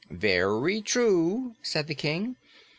"Very true," said the King.